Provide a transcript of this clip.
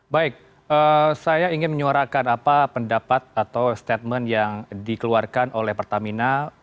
baik saya ingin menyuarakan apa pendapat atau statement yang dikeluarkan oleh pertamina